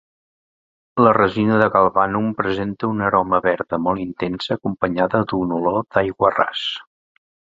La resina de Galbanum presenta una aroma verda molt intensa acompanyada d'una olor d'aiguarràs.